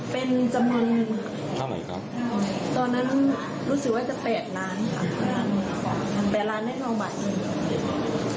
เป็นจำนวนหนึ่งตอนนั้นรู้สึกว่าจะแปดร้านค่ะแปดร้านได้ทองบาทหนึ่ง